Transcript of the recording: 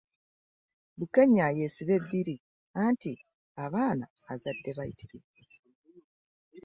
Bukenya yeesibe bbiri anti abaana azadde bayitirivu.